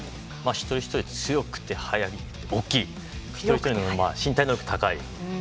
一人一人強くて早い大きい一人一人の身体能力が高い。